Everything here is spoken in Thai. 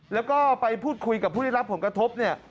แล้วก็ไปพูดคุยกับผู้ได้รับผลกระทบเนี่ย